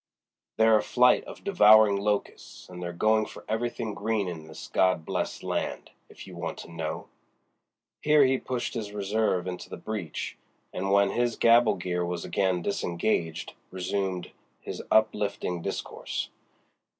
"They're a flight of devouring locusts, and they're going for everything green in this God blest land, if you want to know." Here he pushed his reserve into the breach and when his gabble gear was again disengaged resumed his uplifting discourse.